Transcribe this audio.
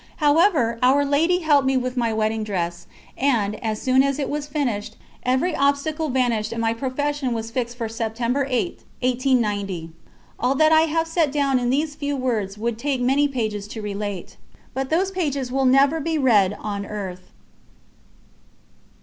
However, Our Lady helped me with my wedding dress, and, as soon as it was finished, every obstacle vanished and my profession was fixed for September 8, 1890. All that I have set down in these few words would take many pages to relate; but those pages will never be read on earth.